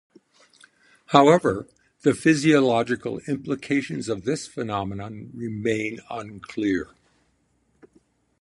However, the physiological implications of this phenomenon remain unclear.